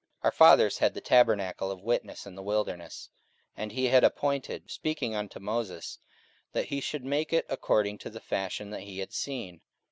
44:007:044 Our fathers had the tabernacle of witness in the wilderness, as he had appointed, speaking unto Moses, that he should make it according to the fashion that he had seen.